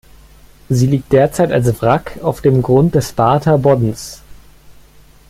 Sie liegt derzeit als Wrack auf dem Grund des Barther Boddens.